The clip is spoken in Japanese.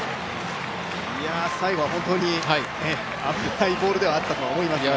最後は本当に危ないボールではあったと思いますが。